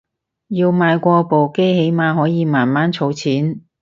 要買過部機起碼可以慢慢儲錢